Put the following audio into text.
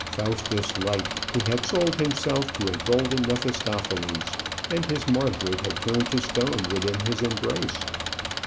Faustus like, he had sold himself to a golden Mephistopheles, and his Margaret had turned to stone within his embrace.